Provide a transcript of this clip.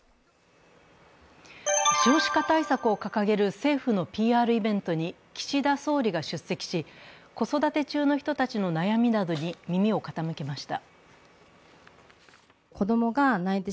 少子化対策を掲げる政府のＰＲイベントに岸田総理が出席し、子育て中の人たちの悩みなどに耳を傾けました。